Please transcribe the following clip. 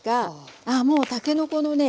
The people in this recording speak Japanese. ああもうたけのこのね